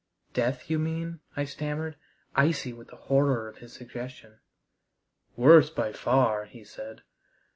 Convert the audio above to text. "Death you mean?" I stammered, icy with the horror of his suggestion. "Worse by far," he said.